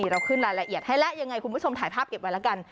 เราขึ้นรายละเอียดให้แล้วยังไงคุณผู้ชมถ่ายภาพเก็บไว้แล้วกัน